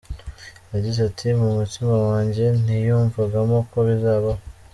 Yagize ati "Mu mutima wanjye niyumvagamo ko bizabaho.